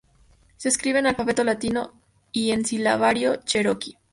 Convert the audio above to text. Se escribe en alfabeto latino y en silabario cheroqui.